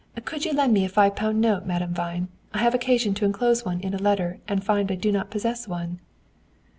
"Could you lend me a five pound note, Madame Vine? I have occasion to enclose one in a letter, and find I do not possess one."